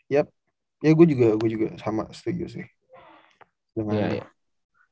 ya gue juga sama setuju sih